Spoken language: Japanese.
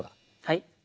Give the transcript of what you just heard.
はい。